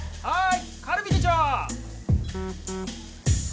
はい